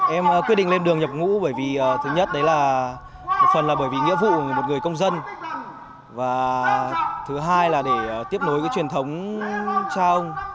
em quyết định lên đường nhập ngũ bởi vì thứ nhất đấy là một phần là bởi vì nghĩa vụ một người công dân và thứ hai là để tiếp nối cái truyền thống cha ông